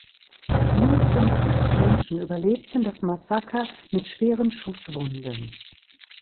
Mindestens sechs Menschen überlebten das Massaker mit schweren Schusswunden.